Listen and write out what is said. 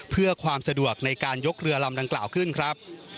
เพื่อความสะดวกในการยกเรือลำดังกล่าวขึ้นครับ